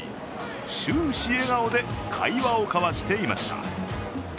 終始笑顔で会話を交わしていました。